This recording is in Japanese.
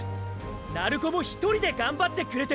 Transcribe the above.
鳴子も１人で頑張ってくれてる！！